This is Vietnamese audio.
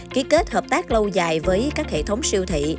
ký kết hợp tác lâu dài với các hệ thống siêu thị